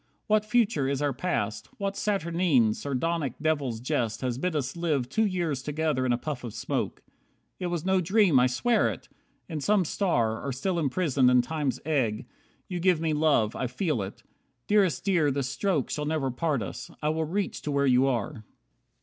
What future is our past? What saturnine, Sardonic devil's jest has bid us live Two years together in a puff of smoke? It was no dream, I swear it! In some star, Or still imprisoned in Time's egg, you give Me love. I feel it. Dearest Dear, this stroke Shall never part us, I will reach to where you are."